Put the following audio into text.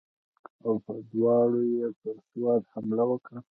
او په دواړو یې پر سوات حمله وکړه.